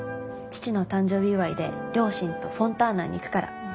父の誕生日祝いで両親とフォンターナに行くから。